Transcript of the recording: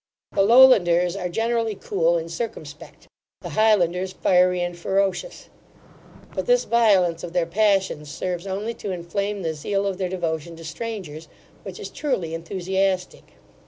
The Lowlanders are generally cool and circumspect, the Highlanders fiery and ferocious:' but this violence of their passions serves only to inflame the zeal of their devotion to strangers, which is truly enthusiastic.